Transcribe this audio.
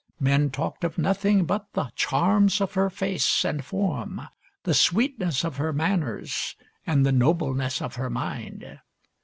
Men talked of nothing but the charms of her face and form, the sweetness of her manners, and the nobleness of her mind.